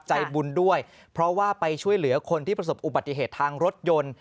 ใจบุญด้วยเพราะว่าไปช่วยเหลือคนที่ประสบอุบัติเหตุทางรถยนต์